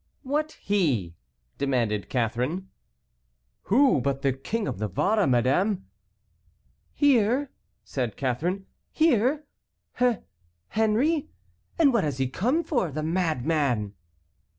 "What he?" demanded Catharine. "Who but the King of Navarre, madame!" "Here!" said Catharine, "here! He—Henry—And what has he come for, the madman?"